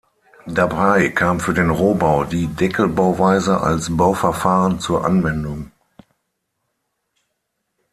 Dabei kam für den Rohbau die Deckelbauweise als Bauverfahren zur Anwendung.